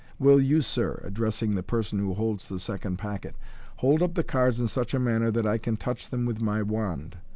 Will you, sir " (addressing the person who holds the second packet), " bold up the cards in such a manner that I can touch them with my wand.